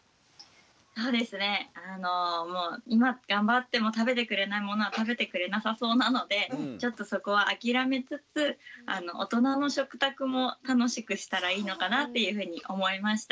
そうですね今頑張っても食べてくれないものは食べてくれなさそうなのでちょっとそこは諦めつつ大人の食卓も楽しくしたらいいのかなっていうふうに思いました。